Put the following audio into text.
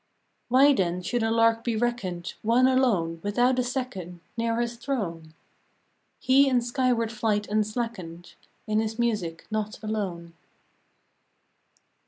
" Why then should a lark be reckoned One alone, without a second Near his throne ? He in skyward flight unslackened, In his music, not alone."